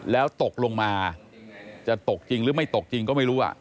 แล้วตกลงมาจะตกจริงหรือไม่ตกจริงก็ไม่รู้